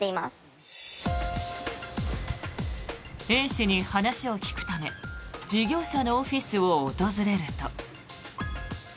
Ａ氏に話を聞くため事業者のオフィスを訪れると。